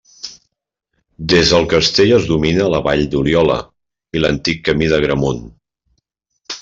Des del castell es domina la vall d'Oliola i l'antic camí d'Agramunt.